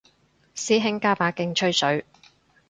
師兄加把勁吹水